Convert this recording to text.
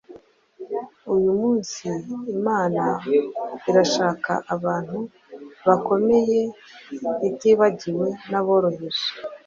Uyu munsi Imana irashaka abantu bakomeye itibagiwe n’aboroheje